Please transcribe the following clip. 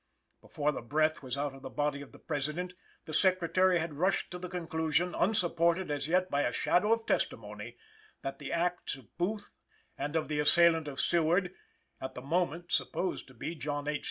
Before the breath was out of the body of the President, the Secretary had rushed to the conclusion, unsupported as yet by a shadow of testimony, that the acts of Booth and of the assailant of Seward (at the moment supposed to be John H.